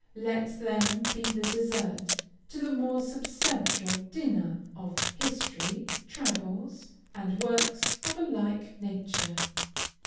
Let them be the dessert to the more substantial dinner of history, travels, and works of a like nature.